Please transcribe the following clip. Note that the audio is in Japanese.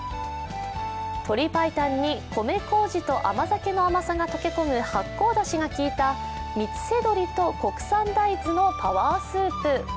鶏白湯に米麹と甘酒の甘さが溶け込む発酵だしが効いたみつせ鶏と国産大豆のパワースープ。